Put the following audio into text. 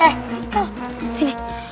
eh rikal sini